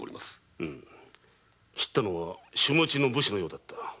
切ったのは主持ちの武士のようだった。